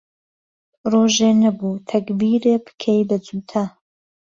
رۆژێ نهبوو تهگبیرێ بکهی به جووته